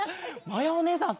まやおねえさん